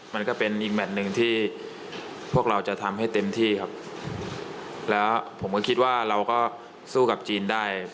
มันก็เป็นอีกแมทหนึ่งที่พวกเราจะทำให้เต็มที่ครับแล้วผมก็คิดว่าเราก็สู้กับจีนได้